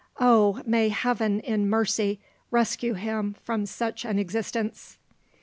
Oh, may heaven in mercy rescue him from such an existence!"